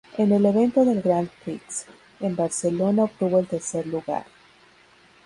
En el evento del Grand Prix en Barcelona obtuvo el tercer lugar.